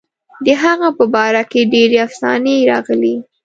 د هغه په باره کې ډېرې افسانې راغلي.